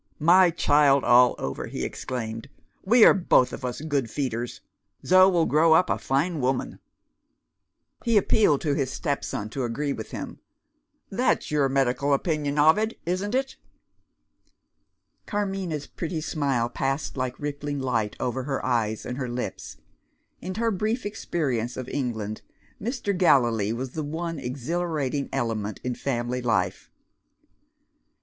"My child all over!" he exclaimed. "We are both of us good feeders. Zo will grow up a fine woman." He appealed to his stepson to agree with him. "That's your medical opinion, Ovid, isn't it?" Carmina's pretty smile passed like rippling light over her eyes and her lips. In her brief experience of England, Mr. Gallilee was the one exhilarating element in family life. Mrs.